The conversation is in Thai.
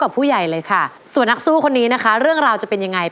ก็คือดอกบานเย็นพอดี